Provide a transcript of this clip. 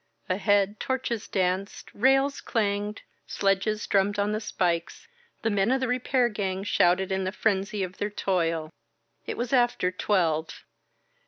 Ahead torches danced, rails clanged, sledges drummed on the spikes, the men of the repair gang shouted in the frenzy of their toiL It was after twelve.